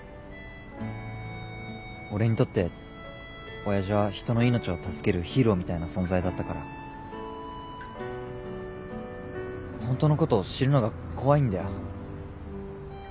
俺にとって親父は人の命を助けるヒーローみたいな存在だったから本当のことを知るのが怖いんだよ。